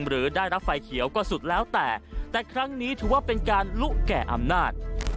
หรือได้รับไฟเขียวก็สุดแล้วแต่แต่ครั้งนี้ถือว่าเป็นการลุแก่อำนาจ